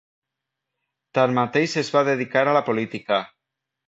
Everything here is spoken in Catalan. Tanmateix es va dedicar a la política.